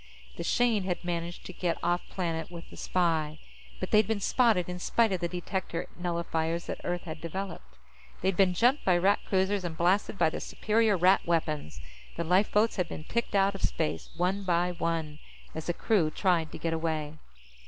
The Shane had managed to get off planet with the spy, but they'd been spotted in spite of the detector nullifiers that Earth had developed. They'd been jumped by Rat cruisers and blasted by the superior Rat weapons. The lifeboats had been picked out of space, one by one, as the crew tried to get away.